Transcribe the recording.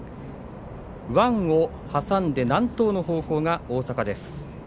湾を挟んで南東の方向が大阪です。